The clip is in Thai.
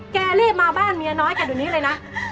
แกรีบมาบ้านเมียน้อยแกดูนี้เลยนะ